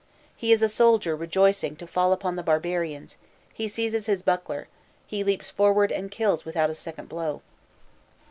He is a soldier rejoicing to fall upon the barbarians: he seizes his buckler, he leaps forward and kills without a second blow.